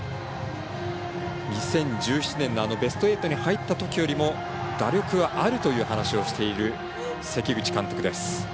２０１７年のベスト８に入ったときよりも打力はあるという話をしている関口監督です。